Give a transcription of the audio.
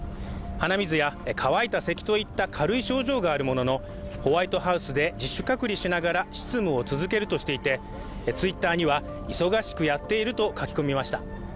鼻水や乾いたせきといった軽い症状があるもののホワイトハウスで自主隔離しながら執務を続けるとしていてＴｗｉｔｔｅｒには、忙しくやっていると書き込みました。